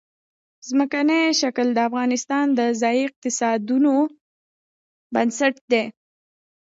ځمکنی شکل د افغانستان د ځایي اقتصادونو بنسټ دی.